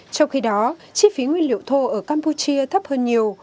trong khi đó chi phí nguyên liệu thô ở campuchia thấp hơn nhiều